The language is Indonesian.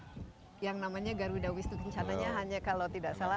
pembicara dua puluh tiga yang namanya garuda wisnu kencananya hanya kalau tidak salah